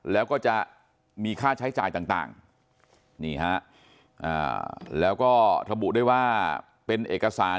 แล้วก็จะมีค่าใช้จ่ายต่างนี่ฮะแล้วก็ระบุด้วยว่าเป็นเอกสาร